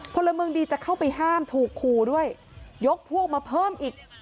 พลเมืองดีจะเข้าไปห้ามถูกขู่ด้วยยกพวกมาเพิ่มอีก